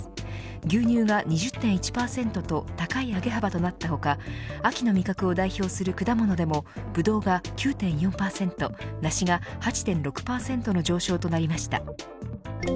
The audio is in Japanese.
牛乳が２０．１％と高い上げ幅となった他秋の味覚を代表する果物でもぶどうが９．４％なしが８．６％の上昇となりました。